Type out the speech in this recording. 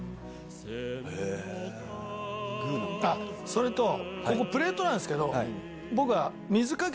それとここプレートなんすけど。